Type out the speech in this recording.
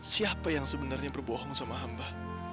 siapa yang sebenarnya berbohong sama hamba